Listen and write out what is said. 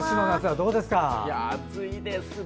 暑いですね。